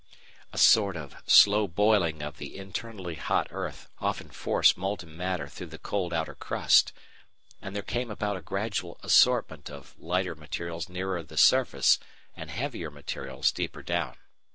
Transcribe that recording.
A sort of slow boiling of the internally hot earth often forced molten matter through the cold outer crust, and there came about a gradual assortment of lighter materials nearer the surface and heavier materials deeper down.